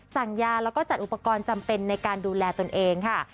สั่งยาแล้วก็จัดอุปกรณ์จำเป็นในการดูแลตนเองค่ะ